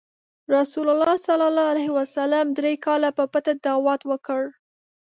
رسول الله ﷺ دری کاله په پټه دعوت وکړ.